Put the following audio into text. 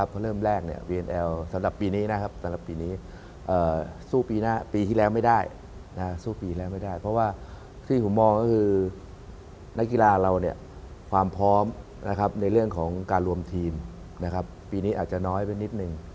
พี่ย่าว่าไม่ได้พร้อมพร้อมการรวมทีมปีนี้อาจจะน้อยไปนิดหนึ่ง